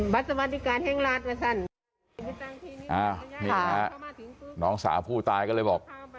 บัตรสวัสดิการแห่งรัฐว่าซันนี่ค่ะน้องสาผู้ตายก็เลยบอก